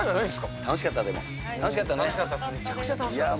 楽しかった、でも。